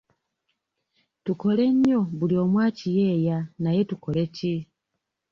Tukole nnyo buli omu akiyeeya naye tukole Ki?